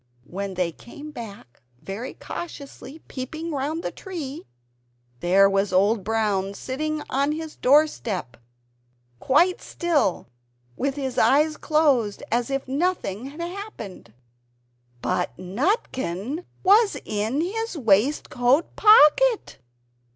When they came back very cautiously, peeping round the tree there was Old Brown sitting on his door step, quite still, with his eyes closed, as if nothing had happened. BUT NUTKIN WAS IN HIS WAISTCOAT POCKET!